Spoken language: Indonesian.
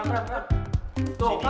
tunggu tunggu tunggu